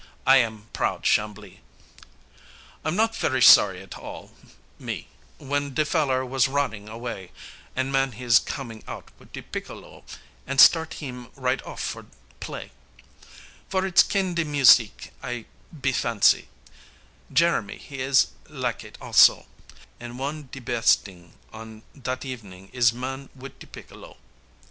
I am proud Chambly! I'm not very sorry at all, me, w'en de feller was ronnin' away, An' man he's come out wit' de piccolo, an' start heem right off for play, For it's kin' de musique I be fancy, Jeremie he is lak it also, An' wan de bes' t'ing on dat ev'ning is man wit' de piccolo!